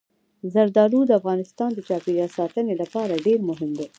زردالو د افغانستان د چاپیریال ساتنې لپاره ډېر مهم دي.